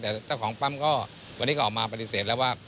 แต่เจ้าของปั๊มก็วันนี้ก็ออกมาปฏิเสธแล้วว่า